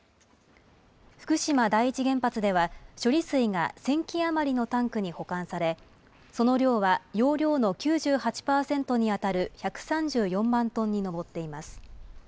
福島第一原発では、処理水が１０００基余りのタンクに保管され、その量は容量の９８％に当たる１３４万トンに上っています。